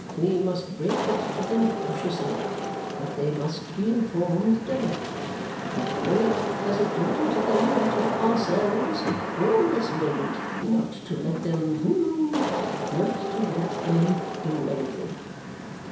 We must break it to them cautiously, but they must be informed directly. We owe it as a duty to them and to ourselves, from this moment, not to let them hum not to let them do anything.